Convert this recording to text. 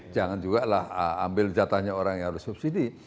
jangan juga lah ambil jatahnya orang yang harus subsidi